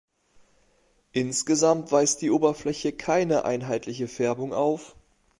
Insgesamt weist die Oberfläche keine einheitliche Färbung auf.